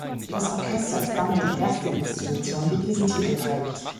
Das Orchester ist damit die erste Institution, die diesen Titel trägt.